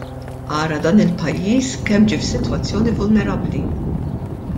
Ara dan il-pajjiż kemm ġie f'sitwazzjoni vulnerabbli!